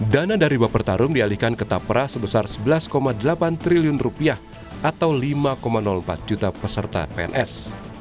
dana dari baper tarung dialihkan ke tapera sebesar rp sebelas delapan triliun atau lima empat juta peserta pns